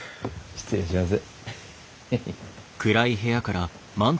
失礼します。